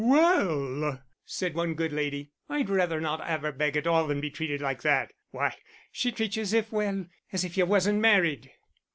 "Well," said one good lady, "I'd rather not 'ave her bag at all than be treated like that. Why, she treats you as if well, as if you wasn't married."